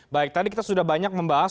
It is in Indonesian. baik tadi kita sudah banyak membahas